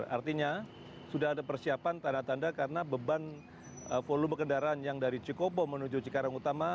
artinya sudah ada persiapan tanda tanda karena beban volume kendaraan yang dari cikobo menuju cikarang utama